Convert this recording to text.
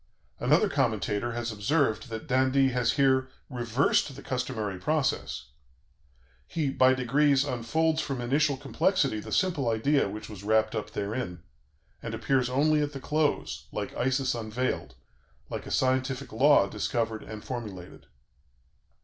Another commentator has observed that d'Indy has here "reversed the customary process.... He by degrees unfolds from initial complexity the simple idea which was wrapped up therein, and appears only at the close, like Isis unveiled, like a scientific law discovered and formulated."